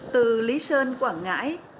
từ lý sơn quảng ngãi